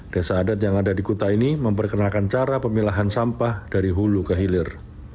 desa adat yang ada di kuta ini memperkenalkan cara pemilahan sampah dari hulu ke hilir